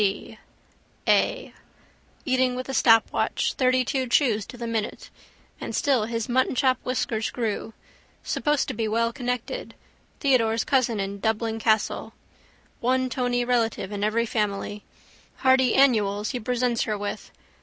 C. A. Eating with a stopwatch, thirtytwo chews to the minute. And still his muttonchop whiskers grew. Supposed to be well connected. Theodore's cousin in Dublin Castle. One tony relative in every family. Hardy annuals he presents her with.